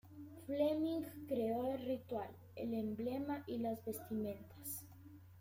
Fleming creó el ritual, el emblema y las vestimentas.